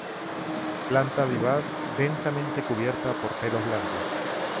Planta vivaz, densamente cubierta por pelos blancos.